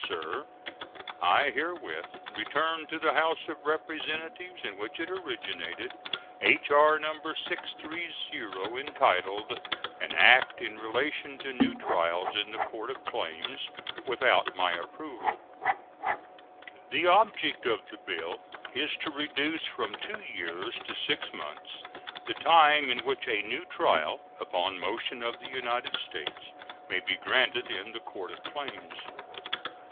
SIR: I herewith return to the House of Representatives, in which it originated, H.R. No. 630, entitled "An act in relation to new trials in the Court of Claims," without my approval. The object of the bill is to reduce from two years to six months the time in which a new trial, upon motion of the United States, may be granted in the Court of Claims.